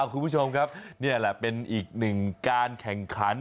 คุณผู้ชมครับนี่แหละเป็นอีกหนึ่งการแข่งขัน